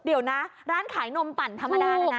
เดี๋ยวนะร้านขายนมปั่นธรรมดานะนะ